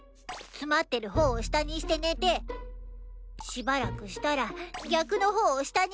つまってる方を下にして寝てしばらくしたら逆の方を下にしてみるのも駄目。